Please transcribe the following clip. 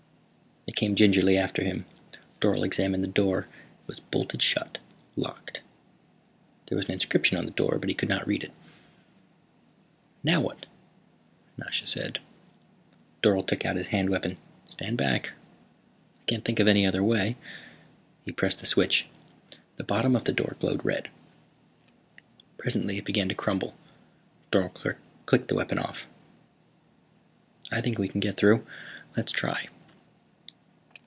They came gingerly after him. Dorle examined the door. It was bolted shut, locked. There was an inscription on the door but he could not read it. "Now what?" Nasha said. Dorle took out his hand weapon. "Stand back. I can't think of any other way." He pressed the switch. The bottom of the door glowed red. Presently it began to crumble. Dorle clicked the weapon off. "I think we can get through. Let's try."